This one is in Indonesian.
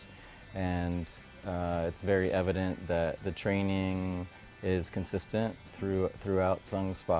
dan itu sangat jelas bahwa latihan itu konsisten di seluruh sang spa